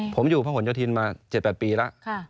ผมอยู่พระหลโยธินมา๗๘ปีแล้ว